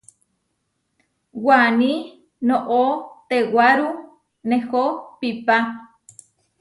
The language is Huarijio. Waní noʼó tewarú nehó piʼpá.